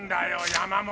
山本！